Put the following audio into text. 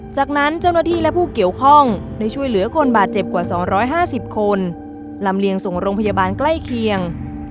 จากนั้นเจ้าหน้าที่และผู้เกี่ยวข้องได้ช่วยเหลือคนบาดเจ็บกว่า๒๕๐คนลำเลียงส่งโรงพยาบาลใกล้เคียง